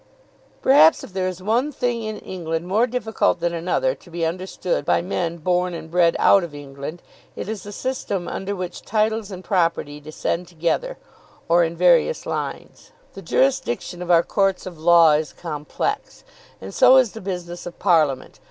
Perhaps if there is one thing in England more difficult than another to be understood by men born and bred out of England, it is the system under which titles and property descend together, or in various lines. The jurisdiction of our Courts of Law is complex, and so is the business of Parliament.